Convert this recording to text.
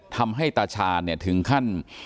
ทำให้ตาชาณิย์ถึงขั้น